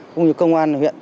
cũng như công an huyện